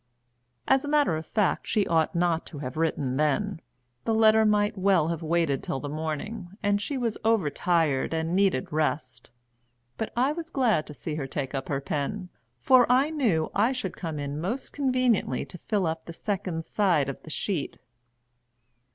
As a matter of fact she ought not to have written then, the letter might well have waited till the morning, and she was over tired and needed rest. But I was glad to see her take up her pen, for I knew I should come in most conveniently to fill up the second side of the sheet.